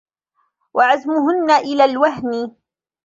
وَعَزْمَهُنَّ إلَى الْوَهْنِ